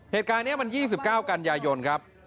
เหตุการณ์นี้มัน๒๙กันยายนครับ